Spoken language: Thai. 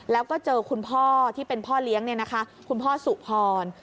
แล้วก็เจอคุณพ่อที่เป็นพ่อเลี้ยงคุณพ่อสุพร